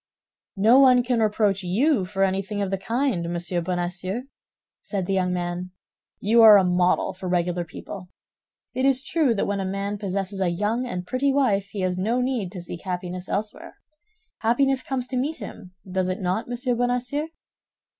"No one can reproach you for anything of the kind, Monsieur Bonacieux," said the young man; "you are a model for regular people. It is true that when a man possesses a young and pretty wife, he has no need to seek happiness elsewhere. Happiness comes to meet him, does it not, Monsieur Bonacieux?"